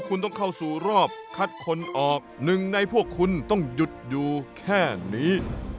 คุณต้องเข้าสู่รอบคัดคนออกหนึ่งในพวกคุณต้องหยุดอยู่แค่นี้